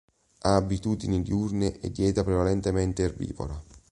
Ha abitudini diurne e dieta prevalentemente erbivora.